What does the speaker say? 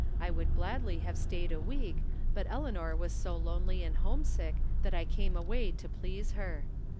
I would gladly have staid a week, but Eleanor was so lonely and homesick that I came away to please her.